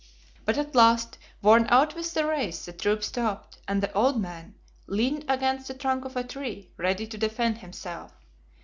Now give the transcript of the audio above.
But at last, worn out with the race, the troop stopped, and the "old man" leaned against the trunk of a tree, ready to defend himself.